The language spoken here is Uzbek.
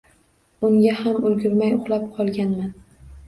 Unga ham ulgurmay uxlab qolganman.